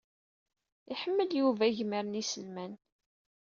Iḥemmel Yuba agmer n yiselman.